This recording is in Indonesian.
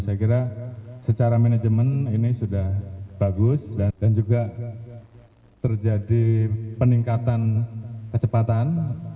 saya kira secara manajemen ini sudah bagus dan juga terjadi peningkatan kecepatan